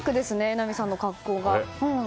榎並さんの格好が。